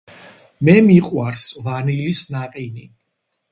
მე მიყვარს ვანილის ნაყინი.